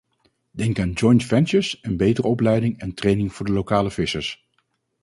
Denk aan joint ventures en betere opleiding en training voor de lokale vissers.